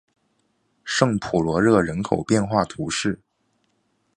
圣普罗热人口变化图示